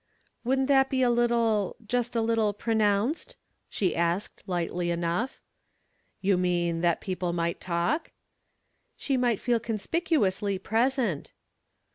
"Wouldn't that be a little just a little pronounced?" she asked, lightly enough. "You mean that people might talk?" "She might feel conspicuously present."